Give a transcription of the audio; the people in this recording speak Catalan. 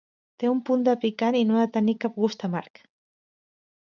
Té un punt de picant i no ha de tenir cap gust amarg.